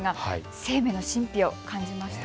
生命の神秘を感じました。